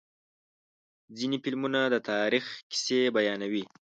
ځینې فلمونه د تاریخ کیسې بیانوي.